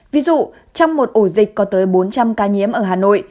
ví dụ trong một ổ dịch có tới bốn trăm linh ca nhiễm ở hà nội